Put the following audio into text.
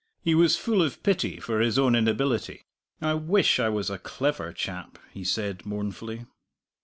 He was full of pity for his own inability. "I wish I was a clever chap," he said mournfully.